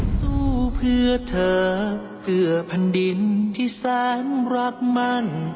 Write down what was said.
สู้เพื่อเธอเพื่อแผ่นดินที่แสนรักมัน